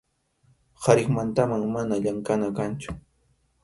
qariqmantam mana llamkʼana kanchu.